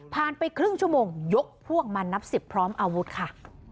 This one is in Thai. ไปครึ่งชั่วโมงยกพวกมานับ๑๐พร้อมอาวุธค่ะ